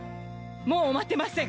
もう待てません。